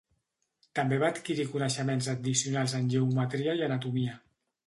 També va adquirir coneixements addicionals en geometria i anatomia.